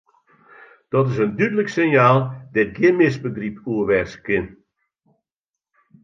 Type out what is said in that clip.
Dat is in dúdlik sinjaal dêr't gjin misbegryp oer wêze kin.